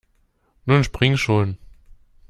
Nun spring schon!